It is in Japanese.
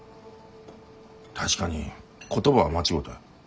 確かに言葉は間違うた。